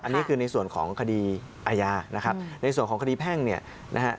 อันนี้คือในส่วนของคดีอาญานะครับในส่วนของคดีแพ่งเนี่ยนะฮะ